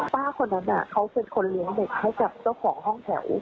ป้าคนนั้นเขาเป็นคนเลี้ยงเด็กให้กับเจ้าของห้องแถว